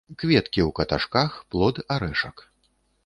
Кветкі ў каташках, плод арэшак.